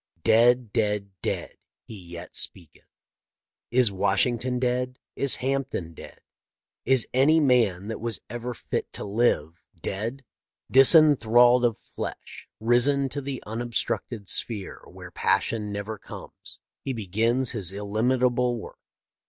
Dead, dead, dead, he yet speaketh. Is Washington dead? Is Hampden dead ? Is any man that was ever fit to live dead ? Disenthralled of flesh, risen to the unobstructed sphere where passion never comes, he begins his illimitable work.